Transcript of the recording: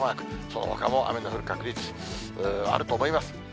そのほかも雨の降る確率あると思います。